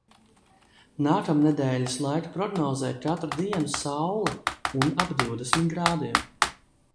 Nākamnedēļas laika prognozē katru dienu saule un ap divdesmit grādiem.